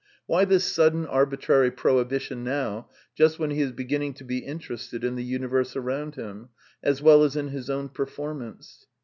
Why this sudden, arbitrary prohibition now, just when he is beginning to be interested in the universe around him, as well as in his own performance